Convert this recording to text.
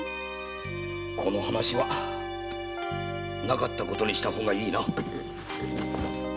この話はなかったことにした方がいいな。